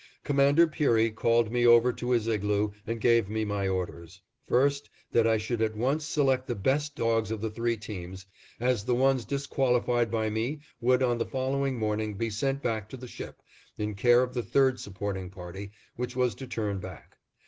Commander Peary called me over to his igloo and gave me my orders: first; that I should at once select the best dogs of the three teams, as the ones disqualified by me would on the following morning be sent back to the ship, in care of the third supporting party, which was to turn back.